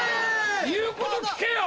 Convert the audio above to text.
言うこと聞けよ！